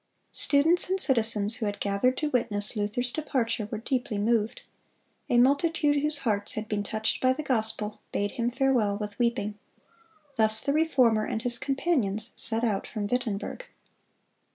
(206) Students and citizens who had gathered to witness Luther's departure were deeply moved. A multitude whose hearts had been touched by the gospel, bade him farewell with weeping. Thus the Reformer and his companions set out from Wittenberg.